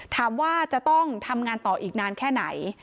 ถามว่าจะต้องทำงานต่ออีกนานแค่ไหน